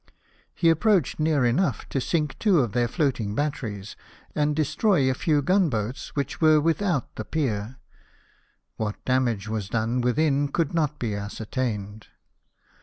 He approached near enough to sink two of their floating batteries and destroy a few gun boats, which were without the pier ; what damage was done within could not be ascertained.